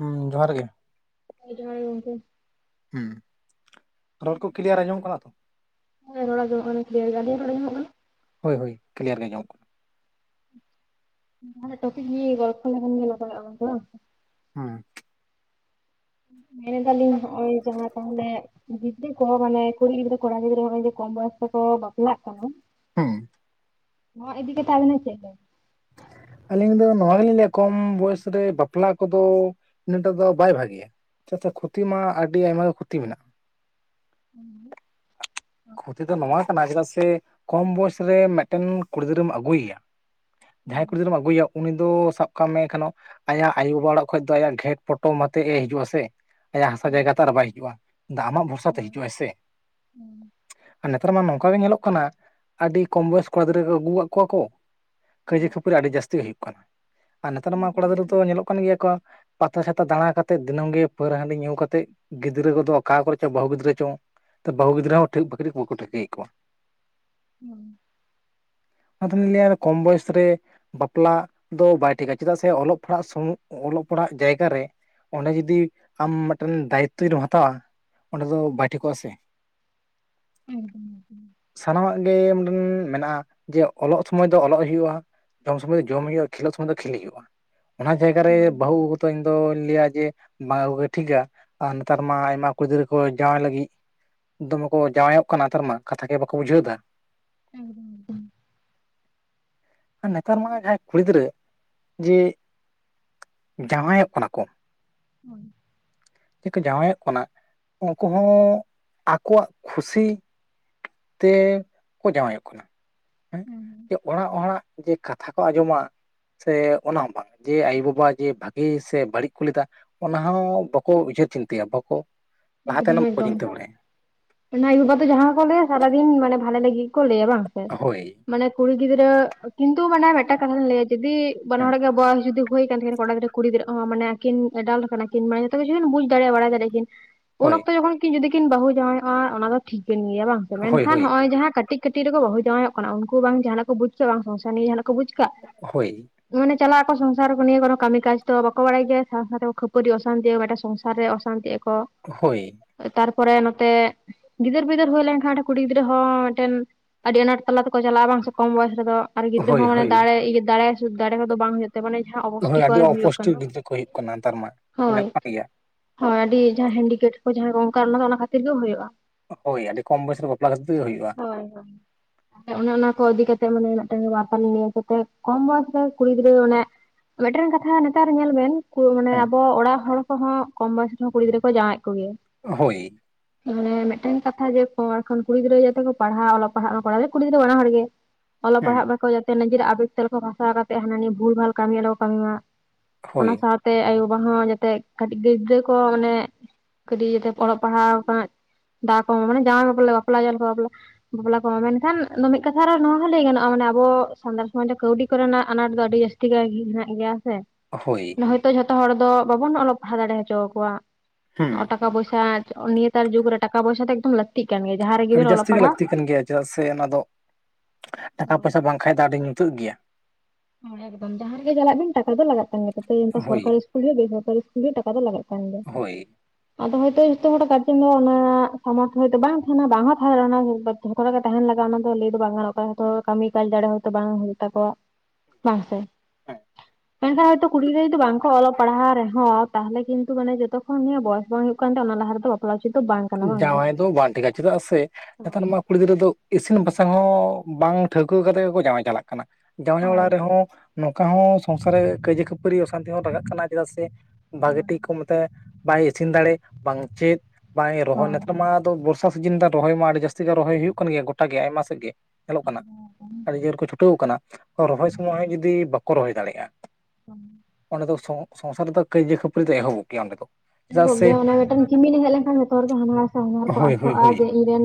ᱦᱩᱸ, ᱡᱚᱦᱟᱨ ᱜᱮ, ᱦᱮᱸ, ᱡᱚᱦᱟᱨ ᱜᱮ ᱜᱚᱝᱠᱮ, ᱦᱩᱸ, ᱨᱚᱲ ᱠᱚ ᱠᱞᱤᱭᱟᱨ ᱟᱸᱡᱚᱢ ᱠᱟᱱᱟ ᱛᱚ᱾ ᱦᱮᱸ ᱨᱚᱲ ᱟᱢᱚᱜ ᱠᱟᱱᱟ ᱠᱤᱭᱟᱨ, ᱟᱸᱞᱤᱧᱟ ᱨᱚᱲᱟ ᱟᱢᱚᱜ ᱠᱟᱱᱟ? ᱦᱳᱭ ᱦᱳᱭ, ᱠᱞᱤᱭᱟᱨ ᱜᱮ ᱟᱢᱚᱜ ᱠᱟᱱᱟ᱾ ᱛᱟᱦᱞᱮ ᱴᱚᱯᱤᱠ ᱱᱤᱭᱮ ᱜᱚᱞᱯᱷ ᱞᱮᱠᱷᱟᱱ ᱜᱮ ᱱᱟᱯᱟᱭᱼᱟ [unintelligible] ᱵᱟᱝ ᱦᱩᱸ, ᱢᱮᱱ ᱮᱫᱟᱞᱤᱧ, ᱦᱚᱜᱼᱚᱭ ᱡᱟᱦᱟᱸ ᱛᱟᱦᱚᱞᱮ [unintelligible] ᱠᱚᱦᱚ ᱢᱟᱱᱮ ᱠᱩᱲᱤ ᱜᱤᱫᱽᱨᱟᱹ ᱠᱚᱲᱟ ᱜᱤᱫᱽᱨᱟᱹ ᱦᱚᱸᱜᱚᱭ ᱡᱮ, ᱠᱚᱢ ᱵᱚᱭᱚᱥ ᱛᱮᱠᱚ ᱵᱟᱯᱞᱟᱜ ᱠᱟᱱᱟᱹ ᱦᱩᱸ, ᱱᱚᱣᱟᱸ ᱤᱫᱤ ᱠᱟᱛᱮ ᱟᱵᱮᱱ ᱫᱚ ᱪᱮᱫ ᱟᱹᱞᱤᱧ ᱫᱚ ᱱᱚᱣᱟ ᱜᱮᱹᱞᱤᱧ ᱞᱟᱹᱭᱟ, ᱠᱚᱢ ᱵᱚᱭᱮᱥ ᱨᱮ ᱵᱟᱯᱞᱟ ᱠᱚᱫᱚ ᱤᱱᱟᱹᱴᱟᱜ ᱫᱚ ᱵᱟᱭ ᱵᱷᱟᱹᱜᱤᱭᱟ, ᱪᱮᱫᱟᱜ ᱥᱮ ᱠᱷᱚᱛᱤ ᱢᱟ, ᱟᱹᱰᱤ ᱟᱭᱢᱟ ᱜᱮ ᱠᱷᱚᱛᱤ ᱢᱮᱱᱟᱜ᱾ ᱦᱳᱭ ᱠᱷᱚᱛᱤ ᱫᱚ ᱱᱚᱣᱟ ᱠᱟᱱᱟ, ᱪᱮᱫᱟᱜ ᱥᱮ ᱠᱚᱢ ᱵᱚᱭᱮᱥ ᱨᱮ ᱢᱤᱫᱴᱮᱱ ᱠᱩᱲᱤ ᱜᱤᱫᱽᱨᱟᱹᱢ ᱟᱹᱜᱩᱭᱮᱭᱟ, ᱡᱟᱦᱟᱸᱭ ᱠᱩᱲᱤ ᱜᱤᱫᱽᱨᱟᱹᱢ ᱟᱹᱜᱩᱭᱮᱭᱟ ᱩᱱᱤ ᱫᱚ ᱥᱟᱵ ᱠᱟᱜ ᱢᱮ ᱠᱷᱟᱱᱚ, ᱟᱭᱟᱜ ᱟᱭᱩᱵᱟ ᱚᱲᱟᱹᱜ ᱠᱷᱚᱱ ᱫᱚ, ᱟᱭᱟᱜ ᱜᱷᱮᱴ ᱯᱚᱴᱚᱢ ᱟᱛᱮᱼᱮ ᱦᱤᱡᱩᱜ ᱟᱥᱮ ᱟᱭᱟᱜ ᱦᱟᱥᱟ ᱦᱳᱭ ᱡᱟᱭᱜᱟ ᱛᱚ ᱟᱨ ᱵᱟᱭ ᱦᱤᱡᱩᱜᱼᱟ, ᱫᱚ ᱟᱢᱟᱜ ᱵᱷᱚᱨᱥᱟ ᱛᱮ ᱦᱳᱭ ᱦᱤᱡᱩ ᱟᱭ ᱥᱮ, ᱦᱳᱭ ᱟᱨ ᱱᱮᱛᱟᱨ ᱢᱟ ᱱᱚᱝᱠᱟ ᱜᱮ ᱧᱮᱞᱚᱜ ᱠᱟᱱᱟ, ᱟᱹᱰᱤ ᱠᱚᱢ ᱵᱚᱭᱚᱥ ᱠᱚᱲᱟ ᱜᱤᱫᱽᱨᱟᱹ ᱠᱚ ᱟᱹᱜᱩ ᱠᱟᱜ ᱠᱚᱣᱟ ᱠᱚ ᱦᱳᱭ ᱠᱟᱹᱭᱡᱟᱹ ᱠᱷᱟᱹᱯᱟᱹᱨᱤ ᱟᱹᱰᱤ ᱡᱟᱹᱥᱛᱤ ᱜᱮ ᱦᱩᱭᱩᱜ ᱠᱟᱱᱟ, ᱟᱨ ᱱᱮᱛᱟᱨ ᱢᱟ ᱮᱠᱫᱚᱢ ᱠᱚᱲᱟ ᱜᱤᱫᱽᱨᱟᱹ ᱫᱚ ᱮᱠᱫᱚᱢ ᱧᱮᱞᱚᱜ ᱠᱟᱱ ᱜᱮᱭᱟ ᱠᱚ ᱯᱟᱛᱟ ᱪᱷᱟᱛᱟ ᱫᱟᱲᱟ ᱠᱟᱛᱮᱫ, ᱫᱤᱱᱟᱹᱜ ᱜᱤ ᱯᱟᱹᱨᱟᱹ ᱦᱟᱺᱰᱤ ᱧᱩ ᱠᱟᱛᱮᱫ ᱜᱤᱫᱽᱨᱟᱹ ᱠᱚᱫᱚ ᱚᱠᱟ ᱠᱚᱨᱮ ᱪᱚ, ᱵᱟᱹᱦᱩ ᱜᱤᱫᱽᱨᱟᱹ ᱪᱚ, ᱱᱮᱛᱟ ᱵᱟᱹᱦᱩ ᱜᱤᱫᱽᱨᱟᱹ ᱦᱚᱸ ᱴᱷᱤᱠ [unintelligible] ᱠᱚ ᱵᱟᱠᱚ ᱴᱷᱤᱠᱟᱹᱭᱮᱫ ᱠᱚᱣᱟᱹ ᱦᱩᱸ, ᱟᱫᱚ ᱞᱤᱧ ᱞᱟᱹᱭᱟ ᱟᱫ ᱠᱚᱢ ᱵᱚᱭᱚᱥ ᱨᱮ ᱵᱟᱯᱞᱟ ᱫᱚ ᱵᱟᱭ ᱴᱷᱤᱠᱟ, ᱪᱮᱫᱟᱜ ᱥᱮ ᱚᱞᱚᱜ ᱯᱟᱲᱦᱟᱹᱜ ᱥᱚ ᱚᱞᱚᱜ ᱯᱟᱲᱦᱟᱜ ᱡᱟᱭᱜᱟ ᱨᱮ ᱚᱰᱮ ᱡᱩᱫᱤ ᱟᱢ ᱢᱤᱫᱴᱮᱱ ᱫᱟᱭᱤᱛᱚ ᱡᱩᱫᱤᱢ ᱦᱟᱛᱟᱣ-ᱟ, ᱚᱸᱰᱮ ᱫᱚ ᱵᱟᱭ ᱴᱷᱤᱠᱚᱜ ᱟᱥᱮ᱾ ᱮᱠᱫᱚᱢ ᱮᱠᱫᱚᱢ ᱥᱟᱱᱟᱢᱟᱜ ᱜᱮ ᱩᱢ, ᱢᱮᱱᱟ ᱡᱮ ᱚᱞᱚᱜ ᱥᱢᱚᱭ ᱫᱚ ᱚᱞᱚᱜ ᱦᱳᱭᱳᱜᱼᱟ᱾ ᱡᱚᱢ ᱥᱚᱢᱚᱭ ᱫᱚ ᱡᱚᱢ ᱦᱳᱭᱳᱜᱼᱟ, ᱠᱷᱮᱞᱳᱜ ᱥᱚᱢᱚᱭ ᱫᱚ ᱠᱷᱮᱞ ᱦᱩᱭᱩᱜᱼᱟ, ᱚᱱᱟ ᱡᱟᱭᱜᱼᱟ ᱨᱮ ᱦᱳᱭ ᱦᱳᱭ ᱵᱟᱹᱦᱩ ᱛᱚ ᱤᱧ ᱫᱚᱧ ᱞᱟᱹᱭᱟ ᱡᱮ, ᱵᱟᱝ ᱟᱜᱩ ᱜᱮ ᱴᱷᱤᱠᱟ᱾ ᱟᱨ ᱱᱮᱛᱟᱨ ᱢᱟ, ᱟᱭᱢᱟᱹ ᱠᱩᱲᱤ ᱜᱤᱫᱽᱨᱟᱹ ᱠᱚ ᱡᱟᱶᱟᱭ ᱞᱟᱹᱜᱤᱫ ᱫᱚᱢᱮ ᱠᱚ ᱡᱟᱶᱟᱭᱚᱼᱜ ᱠᱟᱱᱟ ᱛᱟᱨ ᱢᱟ, ᱠᱟᱛᱷᱟ ᱜᱮ ᱵᱟᱠᱚ ᱵᱩᱡᱷᱟᱹᱣ ᱮᱟᱫᱚ᱾ ᱮᱠᱫᱚᱢ ᱮᱠᱫᱚᱢ ᱟᱨ ᱱᱮᱛᱟᱨ ᱢᱟ ᱡᱟᱦᱟᱸᱭ ᱠᱩᱲᱤ ᱜᱤᱫᱽᱨᱟᱹ, ᱡᱮ ᱡᱟᱶᱟᱭᱚᱼᱜ ᱠᱟᱱᱟ ᱠᱚ ᱦᱩᱸ, ᱛᱮᱠᱚ ᱡᱟᱶᱟᱭᱮᱫ ᱠᱟᱱᱟ ᱩᱱᱠᱩ ᱦᱚᱸ, ᱟᱠᱚᱣᱟᱼᱜ ᱠᱷᱩᱥᱤ ᱛᱮ ᱠᱚ ᱡᱟᱶᱟᱭᱚᱼᱜ ᱠᱟᱱᱟ ᱦᱮᱸ, [unintelligible] ᱚᱲᱟᱹᱜ ᱦᱚᱲᱟᱜ ᱡᱮ, ᱠᱟᱛᱷᱟ ᱠᱚ ᱟᱸᱡᱚᱢᱟ ᱥᱮ ᱚᱱᱟ ᱦᱚᱸ ᱵᱟᱝ ᱡᱮ ᱟᱭᱳ ᱵᱟᱵᱟ ᱡᱮ ᱵᱷᱟᱜᱤ ᱥᱮ ᱵᱟᱹᱲᱤᱡ ᱠᱚ ᱞᱮᱫᱟ ᱚᱱᱟ ᱦᱚᱸᱼᱼ ᱠᱚᱸ ᱵᱡᱷᱟᱹᱣ ᱪᱤᱱᱛᱟᱹᱭᱟ ᱵᱟ ᱠᱚᱼᱼ ᱮᱠᱫᱚᱢ ᱮᱠᱫᱚᱢ ᱟᱭᱳᱼ ᱵᱟᱵᱟ ᱫᱚ ᱡᱟᱦᱟᱸ ᱠᱚ ᱞᱟᱹᱭᱟ ᱥᱟᱨᱟᱫᱤᱱ ᱢᱟᱱᱮᱹ ᱵᱷᱟᱞᱮ ᱞᱟᱹᱜᱤᱫ ᱜᱮᱹᱠᱚ ᱞᱟᱹᱭᱟ ᱵᱟᱝ? ᱦᱳᱭ᱾ ᱢᱟᱹᱱᱮ ᱠᱩᱲᱤ ᱜᱤᱫᱽᱨᱟᱹ ᱠᱤᱱᱛᱩ ᱢᱟᱹᱱᱮ ᱢᱤᱫᱴᱟᱜ ᱠᱟᱛᱷᱟ ᱞᱧ ᱞᱟᱹᱭᱟ ᱡᱚᱫ ᱵᱮ ᱦᱚᱲᱹᱟᱜ ᱜᱮ ᱵᱚᱭᱚᱥ ᱡᱩᱫᱤ ᱦᱩᱭ ᱠᱟᱱ ᱠᱷᱟᱱ ᱠᱚᱲᱟ ᱜᱤᱫᱽᱨᱟᱹᱼᱼ ᱠᱩᱲᱤᱫᱨᱟᱹ ᱢᱟᱱᱮᱹᱠᱤᱱ ᱰᱟᱞᱴ ᱠᱟᱱᱟ ᱠᱤᱱᱟᱱ ᱡᱚᱛᱚ ᱠᱤᱷᱩ ᱠᱤᱱ ᱵᱩᱡᱽ ᱫᱟᱲᱮᱭᱟᱜᱼᱟ ᱠᱤᱱ ᱵᱟᱹᱲᱟᱭᱟᱲᱭᱟᱜᱼᱟ ᱠᱤᱱᱼᱼ ᱩᱱ ᱦᱳᱭ ᱚᱠᱛᱚ ᱡᱚᱠᱷᱚᱱ ᱠᱤᱱ ᱡᱩᱫᱤ ᱠᱤᱱ ᱵᱟᱹᱩ ᱡᱟᱶᱟᱭᱚᱜᱼᱟ ᱚᱱᱟ ᱫᱚ ᱴᱷᱤᱠ ᱵᱤᱱ ᱞᱟᱹᱭ ᱜᱮᱹᱭᱟ ᱵᱟᱝ ᱥᱮ ᱦᱳᱭ ᱢᱮᱱᱹᱠᱷᱟᱱ ᱦᱳᱭ ᱱᱚᱜ ᱚᱭ ᱡᱟᱦᱟᱸ ᱠᱟᱹᱴᱤᱡᱼᱼ ᱠᱟᱹᱴᱤᱡ ᱠᱟᱹᱴᱤᱡ ᱨᱮᱹᱠᱚ ᱵᱟᱹᱩ ᱡᱟᱶᱚᱜ ᱠᱟᱱᱟ ᱩᱱᱠᱩ ᱵᱟᱝ ᱡ ᱡᱟᱦᱱᱟᱹᱜ ᱵᱩᱡ ᱠᱟᱜ ᱵᱟᱝᱹᱚᱝᱥᱟ ᱱᱮ ᱡᱟᱦᱟᱸᱱᱟᱜ ᱵᱩᱡ ᱠᱟᱜ᱾ ᱦᱳᱭ᱾ ᱢᱟᱹᱱᱮ ᱪᱟᱞᱟᱹᱜ ᱟᱠᱚ ᱥᱚᱝᱥᱟᱨ ᱠᱚ ᱱᱮ ᱠᱚᱱᱳ ᱠᱟᱹᱢᱤ ᱠᱟᱡ ᱫᱚ ᱵᱟᱠᱚᱸ ᱵᱟᱲᱟᱹᱭ ᱜᱮᱹᱭᱟ ᱥᱟᱶᱛᱮ ᱠᱷᱟᱹᱯᱟᱹᱨᱤ ᱚᱥᱟᱱᱛ ᱢᱤᱫᱴᱟᱝ ᱥᱚᱝᱥᱟᱨ᱾ ᱟᱨᱮ ᱚᱥᱟᱱᱛᱤᱜ ᱟᱠᱚ᱾ ᱦᱳᱭ᱾ ᱛᱟᱨᱯᱚᱨᱮ ᱱᱚᱛᱮ ᱜᱤᱫᱟᱹᱨ ᱯᱤᱫᱟᱹᱨ ᱦᱩᱭ ᱞᱮᱱᱠᱷᱟᱱᱸ ᱠᱩᱲᱤ ᱜᱤᱫᱽᱨᱟᱹ ᱦᱚᱸ ᱢᱤᱫᱴᱮᱱᱼᱼ ᱟᱹᱰᱤ ᱟᱱᱟᱴ ᱛᱟᱞᱟ ᱛᱮᱠᱚ ᱪᱟᱞᱟᱜᱼᱟ ᱵᱟᱝ ᱥᱮ ᱠᱚᱢ ᱵᱚᱭᱚᱥ ᱨᱮᱫᱚ ᱟᱨ ᱜᱤᱫᱽᱨᱟᱹ ᱦᱚᱸ ᱦᱳᱭ ᱢᱟᱱᱮ ᱦᱳᱭ ᱫᱟᱲᱮ ᱤᱭᱟᱹ ᱫᱟᱲᱮ ᱨᱮᱫᱚ ᱵᱟᱝ ᱦᱩᱭᱩᱜᱼᱼ ᱢᱟᱱᱮ ᱡᱟᱦᱟᱸ ᱚᱵᱚᱥᱴᱤ ᱦᱳᱭ ᱟᱹᱰᱤ ᱠᱚᱨᱮ ᱦᱩᱭᱩᱜ ᱚᱯᱩᱥᱴᱤ ᱠᱟᱱᱟ ᱫᱚ ᱜᱤᱫᱽᱨᱟᱹ ᱠᱚ ᱦᱩᱭᱩᱜ ᱠᱟᱱᱟ ᱱᱮᱛᱟᱨ ᱢᱟ ᱦᱳᱭ᱾ ᱧᱮᱞᱚᱜ ᱠᱟᱱ ᱜᱮᱭᱟ ᱦᱳᱭ ᱟᱹᱰᱤ ᱡᱟᱦᱟᱸ ᱦᱮᱱᱰᱤᱠᱮᱯ ᱠᱚ ᱡᱟᱦᱟᱸ ᱠᱚ ᱚᱱᱠᱟ ᱚᱱᱟ ᱫᱚ ᱚᱱᱟ ᱠᱷᱟᱹᱛᱤᱨ ᱜᱮ ᱦᱩᱭᱩᱜᱼᱟ᱾ ᱦᱳᱭ ᱟᱹᱰᱤ ᱠᱚᱢ ᱵᱚᱭᱮᱥ ᱨᱮ ᱵᱟᱯᱞᱟ ᱠᱷᱟᱹᱛᱤᱨ ᱛᱮᱜᱮ ᱦᱩᱭᱩᱜᱼᱟ᱾ ᱦᱳᱭ ᱦᱳᱭ ᱾ ᱚᱱᱮ ᱚᱱᱟ ᱠᱚ ᱤᱫᱤ ᱠᱟᱛᱮᱜ ᱢᱟᱱᱮ ᱢᱤᱫᱴᱟᱝ [unintelligible] ᱱᱤᱭᱟᱹ ᱠᱟᱛᱮ ᱠᱚᱢ ᱵᱚᱭᱮᱥ ᱨᱮ ᱠᱩᱲᱤ ᱜᱤᱫᱽᱨᱟᱹ ᱚᱱᱮᱼᱼ ᱢᱤᱫᱴᱮᱱ ᱠᱟᱛᱷᱟ ᱱᱮᱛᱟᱨ ᱧᱮᱞ ᱵᱮᱱ ᱢᱟᱱᱮ ᱦᱮᱸ ᱟᱵᱚ ᱚᱲᱟᱜ ᱦᱚᱲ ᱠᱚᱦᱚᱸ ᱠᱚᱢ ᱵᱚᱭᱮᱥ ᱨᱮᱦᱚᱸ ᱠᱩᱤ ᱜᱤᱫᱽᱨᱟᱹ ᱠᱚ ᱡᱟᱶᱟᱭᱮᱫ ᱠᱚ ᱜᱮᱭᱟ᱾ ᱦᱳᱭ᱾ ᱢᱟᱱᱮ ᱢᱤᱫᱴᱮᱱ ᱠᱟᱛᱷᱟ ᱡᱮ ᱠᱩᱲᱤ ᱜᱤᱫᱽᱨᱟᱹ ᱡᱟᱛᱮ ᱠᱚ ᱯᱟᱲᱦᱟᱜ ᱚᱞᱚᱜ ᱯᱟᱲᱦᱟᱜ ᱠᱚᱲᱟ ᱠᱩᱲᱤ ᱜᱤᱫᱽᱨᱟᱹ ᱵᱟᱱᱟ ᱦᱚᱲ ᱜᱮ᱾ ᱚᱞᱚᱜ ᱦᱮᱸ ᱯᱟᱲᱦᱟᱜ ᱢᱟᱠᱚ ᱡᱟᱛᱮ ᱱᱤᱡᱮᱨᱟᱜ ᱟᱵᱮᱜ ᱛᱮ ᱵᱷᱟᱥᱟᱣ ᱠᱟᱛᱮᱫ ᱦᱟᱱᱟ ᱱᱟᱣᱭᱟ ᱵᱷᱩᱞ ᱵᱷᱟᱞ ᱠᱟᱹᱢᱤ ᱟᱞᱚᱢ ᱠᱚ ᱠᱟᱹᱢᱤ ᱢᱟ᱾ ᱚᱱᱟ ᱦᱳᱭ ᱥᱟᱶᱛᱮ ᱟᱭᱳ ᱵᱟᱵᱟ ᱦᱚᱸ ᱡᱟᱛᱮ ᱠᱟᱹᱴᱤᱡ ᱜᱤᱫᱽᱨᱟᱹ ᱠᱚ ᱢᱟᱱᱮᱼᱼ ᱠᱟᱹᱴᱤᱡ ᱤᱭᱟᱹᱛᱮ ᱚᱞᱚᱜ ᱯᱟᱲᱦᱟᱣ ᱫᱟᱣ ᱠᱚ ᱢᱟᱱᱮ ᱡᱟᱶᱟᱭ ᱵᱟᱯᱞᱟ ᱵᱟᱯᱞᱟᱼᱼ ᱵᱟᱯᱞᱟ ᱠᱚᱢᱟ ᱢᱮᱱᱠᱷᱟᱱ ᱫᱚ ᱢᱤᱫ ᱠᱟᱛᱷᱟ ᱟᱨ ᱱᱚᱣᱟ ᱦᱚᱸ ᱞᱟᱹᱭ ᱜᱟᱱᱚᱜᱼᱟ ᱢᱟᱱᱮ ᱟᱵᱚ ᱥᱟᱱᱛᱟᱲ ᱥᱚᱢᱟᱡᱽ ᱨᱮ ᱠᱟᱹᱣᱰᱤ ᱠᱚᱨᱮᱱᱟᱜ ᱟᱱᱟᱴ ᱫᱚ ᱟᱹᱰᱤ ᱡᱟᱹᱥᱛᱤᱼᱼ ᱡᱟᱹᱥᱛᱤ ᱠᱟᱭ ᱜᱮ ᱦᱮᱱᱟᱜ ᱜᱮᱭᱟ ᱥᱮ᱾ ᱦᱳᱭ᱾ ᱛᱚ ᱡᱷᱚᱛᱚ ᱦᱚᱲ ᱫᱚ ᱵᱟᱵᱚᱱ ᱚᱞᱚᱜ ᱯᱟᱲᱦᱟᱣ ᱫᱟᱲᱮ ᱦᱚᱪᱚ ᱟᱠᱚᱣᱟ᱾ ᱦᱩᱸ ᱴᱟᱠᱟ ᱯᱚᱭᱥᱟ ᱱᱮᱛᱟᱨ ᱡᱩᱜᱽ ᱨᱮ ᱴᱟᱠᱟ ᱯᱚᱭᱥᱟ ᱫᱚ ᱮᱠᱫᱚᱢ ᱞᱟᱹᱠᱛᱤ᱾ ᱛᱤᱜ ᱠᱟᱱ ᱜᱮᱭᱟ ᱡᱟᱦᱟᱸ ᱨᱮᱼᱼ ᱟᱹᱰᱤ ᱡᱟᱹᱥᱛᱤ ᱜᱮ ᱞᱟᱹᱠᱛᱤ ᱠᱟᱱ ᱜᱮᱭᱟ ᱪᱮᱫᱟᱜ ᱥᱮ ᱚᱱᱟ ᱫᱚᱼᱼ ᱴᱟᱠᱟ ᱦᱮᱸ ᱯᱚᱭᱥᱟ ᱵᱟᱝᱠᱷᱟᱱ ᱫᱚ ᱟᱹᱰᱤ ᱧᱩᱛᱟᱹᱫ ᱜᱮᱭᱟ᱾ ᱮᱠᱫᱚᱢ ᱡᱟᱦᱟᱸ ᱨᱮ ᱜᱮ ᱪᱟᱞᱟᱜ ᱵᱤᱱ ᱴᱟᱠᱟ ᱫᱚ ᱞᱟᱜᱟᱜ ᱠᱟᱱ ᱜᱮ ᱛᱟᱛᱮ ᱦᱳᱭ ᱥᱚᱨᱠᱟᱨᱤ ᱤᱥᱠᱩᱞ ᱦᱩᱭᱩᱜ ᱵᱮᱥᱠᱟᱨᱤ ᱤᱥᱠᱩᱞ ᱦᱩᱭᱩᱜ ᱴᱟᱠᱟ ᱫᱚ ᱞᱟᱜ ᱠᱟᱱ ᱫᱚ᱾ ᱦᱳᱭ ᱟᱫᱚ ᱦᱚᱭᱛᱳ ᱡᱚᱛᱚ ᱦᱚᱲᱟᱜ ᱠᱟᱡᱮᱱ ᱫᱚ ᱚᱱᱟ ᱥᱟᱢᱚᱨᱛᱷᱚ ᱦᱚᱭᱛᱚ ᱵᱟᱝ ᱛᱟᱦᱮᱱᱟ ᱵᱟᱝ ᱦᱚᱸ ᱛᱟᱦᱮᱸ ᱫᱟᱲᱮᱭᱟ-ᱟ ᱚᱱᱟᱼᱼ ᱚᱱᱠᱟ ᱛᱮᱜᱮ ᱛᱟᱦᱮᱱ ᱞᱟᱜᱼᱟ ᱚᱱᱟ ᱫᱚ ᱞᱟᱹᱭ ᱫᱚ ᱵᱟᱝ ᱜᱟᱱᱟᱜ ᱠᱟᱹᱢᱤ ᱠᱟᱡᱽ ᱫᱟᱲᱮ ᱦᱳᱭᱛᱚ ᱵᱟᱝ ᱦᱩᱭᱩᱜ ᱛᱟᱠᱚᱣᱟ᱾ ᱵᱟᱝᱥᱮ ᱢᱮᱱᱠᱷᱟᱱ ᱦᱚᱭᱛᱚ ᱠᱩᱲᱤ ᱜᱤᱫᱽᱨᱟᱹ ᱡᱩᱫᱤ ᱵᱟᱝᱠᱚ ᱚᱞᱚᱜ ᱯᱟᱲᱦᱟᱜ ᱨᱮᱦᱚᱸᱼᱼ ᱛᱟᱦᱚᱞᱮ ᱠᱤᱱᱛᱩ ᱢᱟᱱᱮ ᱡᱚᱛᱚᱠᱷᱚᱱ ᱱᱤᱭᱟᱹ ᱵᱚᱭᱚᱥ ᱵᱚᱱ ᱦᱩᱭᱩᱜ ᱠᱟᱱ ᱛᱟᱦᱮᱸᱟ ᱚᱱᱟ ᱨᱮᱫᱚ ᱵᱟᱯᱞᱟ ᱩᱪᱤᱛ ᱫᱚ ᱵᱟᱝᱼᱼ ᱡᱟᱢᱶᱟᱭ ᱫᱚ ᱵᱟᱝ ᱴᱷᱤᱠᱟᱼᱼ ᱪᱮᱫᱟᱜ ᱥᱮ ᱱᱮᱛᱟᱨ ᱦᱳᱭ ᱢᱟ ᱠᱩᱲᱤ ᱜᱤᱫᱽᱨᱟᱹ ᱫᱚ ᱱᱚᱣᱟ ᱠᱩᱲᱤ ᱜᱤᱫᱽᱨᱟᱹ ᱫᱚ ᱤᱥᱤᱱ ᱵᱟᱥᱟᱝ ᱦᱚᱸ ᱵᱟᱝ ᱴᱷᱟᱹᱣᱠᱟᱹ ᱠᱟᱛᱮ ᱜᱮᱠᱚ ᱡᱟᱣᱭᱟ ᱪᱟᱞᱟᱜᱼᱼ ᱠᱟᱱᱟ ᱡᱟᱶᱟᱭ ᱦᱳᱭ ᱚᱲᱟᱜ ᱨᱮᱦᱚᱸᱼᱼ ᱱᱚᱝᱠᱟ ᱦᱚᱸ ᱥᱚᱝᱥᱟᱨ ᱨᱮ ᱠᱟᱭᱦᱟ ᱠᱷᱟᱹᱯᱟᱹᱨᱤ ᱚᱥᱟᱱᱛᱤ ᱦᱚᱸ ᱠᱟᱱᱟ ᱪᱮᱫᱟᱜ ᱥᱮ ᱵᱷᱟᱹᱜᱤ ᱴᱷᱤᱠ ᱠᱚ ᱢᱮᱛᱟᱭᱟᱼᱼ ᱵᱟᱭ ᱤᱥᱤᱱ ᱫᱟᱲᱮᱜ, ᱵᱟᱝ ᱪᱮᱫ, ᱵᱟᱭ ᱨᱚᱦᱚᱭ, ᱦᱳᱭ ᱱᱮᱛᱟᱨ ᱢᱟ ᱟᱫᱚ ᱵᱚᱥ [unintelligible] [inaudible] ᱨᱚᱦᱚᱭ ᱢᱟ ᱟᱹᱰᱤ ᱡᱟᱹᱥᱛᱤ ᱜᱮ ᱨᱚᱦᱚᱭ ᱦᱩᱭᱩᱜ ᱠᱟᱱ ᱜᱮᱭᱟ ᱜᱚᱴᱟ ᱜᱮ ᱟᱭᱢᱟ ᱥᱮᱫ ᱜᱮ ᱧᱮᱞᱚᱜ ᱠᱟᱱᱟ ᱦᱳᱭ ᱟᱹᱰᱤ ᱡᱳᱨ ᱠᱚ ᱪᱷᱩᱴᱟᱹᱣ ᱠᱟᱱᱟ ᱨᱚᱦᱚᱭ ᱥᱚᱢᱚᱭ ᱫᱚ ᱡᱩᱫᱤ ᱵᱟᱠᱚ ᱨᱚᱦᱚᱭ ᱫᱟᱲᱮᱜᱼᱟ ᱚᱱᱸᱰᱮ ᱫᱚ ᱥᱚᱝᱥᱟᱨ ᱫᱚ ᱠᱟᱹᱭᱡᱟᱹ ᱠᱷᱟᱹᱯᱟᱹᱨᱤ ᱫᱚ ᱮᱦᱚᱵᱚᱜ ᱜᱮᱭᱟ ᱚᱸᱰᱮ ᱫᱚ ᱪᱮᱫᱟᱜ ᱮᱦᱚᱵᱚᱜ ᱥᱮ ᱜᱮᱭᱟ ᱚᱱᱮ ᱢᱤᱫᱴᱟᱝ ᱪᱤᱢᱤᱱᱮ ᱦᱮᱡ ᱞᱮᱱᱠᱷᱟᱱ ᱡᱚᱛᱚ ᱦᱚᱲᱜ ᱦᱟᱱᱟᱦᱟᱨ ᱥᱮ ᱦᱚᱧᱦᱟᱨ ᱠᱚ ᱦᱳᱭ ᱟᱠᱚ ᱦᱳᱭ ᱦᱳᱭ ᱡᱮ ᱤᱧᱨᱮᱱ